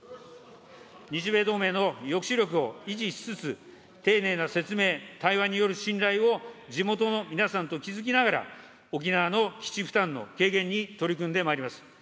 日米同盟の抑止力を維持しつつ、丁寧な説明、対話による信頼を地元の皆さんと築きながら、沖縄の基地負担の軽減に取り組んでまいります。